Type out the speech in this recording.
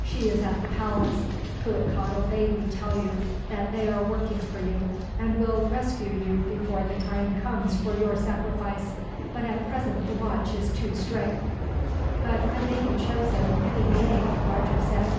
She is at the palace. Cuitcatl bade me tell you that they are working for you, and will rescue you before the time comes for your sacrifice; but at present the watch is too strict." "But I may be chosen, any day," Roger said.